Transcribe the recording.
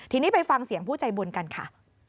ทีนี้ไปฟังเสียงผู้ใจบุญกันค่ะ